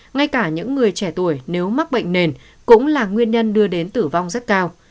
ngay cả những người trẻ tuổi nếu mắc bệnh nền cũng là nguyên nhân đưa đến tử vong rất cao